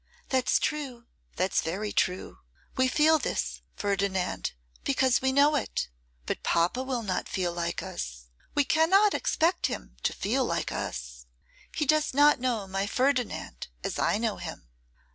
'That's true, that's very true. We feel this, Ferdinand, because we know it. But papa will not feel like us: we cannot expect him to feel like us. He does not know my Ferdinand as I know him.